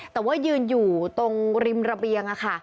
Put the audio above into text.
แต่ว่ายืนอยู่ตรงริมระเบียง